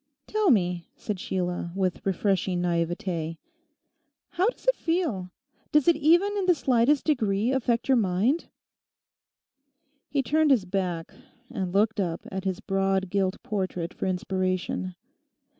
'Tell me,' said Sheila, with refreshing naivete. 'How does it feel? does it even in the slightest degree affect your mind?' He turned his back and looked up at his broad gilt portrait for inspiration.